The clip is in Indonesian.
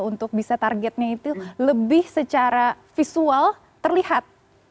untuk bisa targetnya itu lebih secara visual terlihat